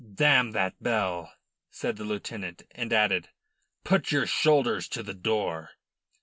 "Damn that bell," said the lieutenant, and added: "Put your shoulders to the door."